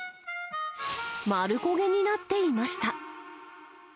丸焦げになっていました。